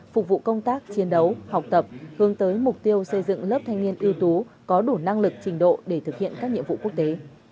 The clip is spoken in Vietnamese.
phục vụ công tác chiến đấu học tập hướng tới mục tiêu xây dựng lớp thanh niên ưu tú có đủ năng lực trình độ để thực hiện các nhiệm vụ quốc tế